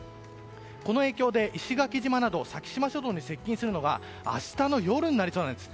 この影響で石垣島など先島諸島に接近するのは明日の夜になりそうなんです。